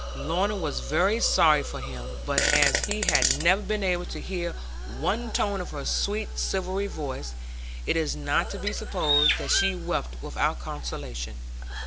Lorna was very sorry for him; but as he had never been able to hear one tone of her sweet silvery voice, it is not to be supposed that she wept without consolation.